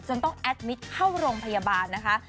ต้องแอดมิตรเข้าโรงพยาบาลนะคะ